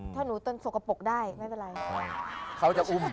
ถ้าหนูติดต่อกระปบกได้ไม่เป็นไร